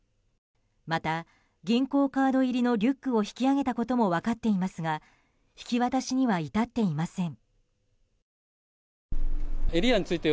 また、銀行カード入りのリュックを引き揚げたことも分かっていますが引き渡しには至っていません。